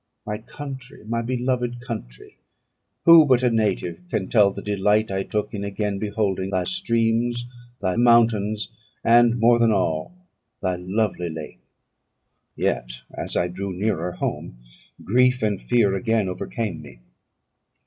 My country, my beloved country! who but a native can tell the delight I took in again beholding thy streams, thy mountains, and, more than all, thy lovely lake! Yet, as I drew nearer home, grief and fear again overcame me.